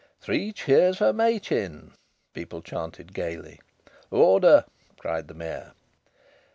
"Three cheers for Machin!" people chanted gaily. "Order!" said the Mayor.